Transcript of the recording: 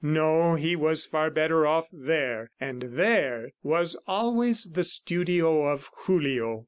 No, he was far better off there ... and "there" was always the studio of Julio.